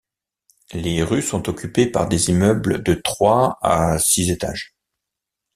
Les rues sont occupées par des immeubles de trois à six étages.